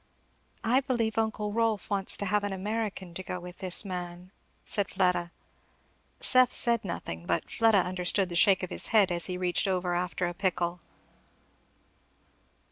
"I believe uncle Rolf wants to have an American to go with this man," said Fleda. Seth said nothing, but Fleda understood the shake of his head as he reached over after a pickle.